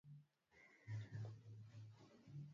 Kwa mfano Martin Luther aliandika Sikubali mafundisho yangu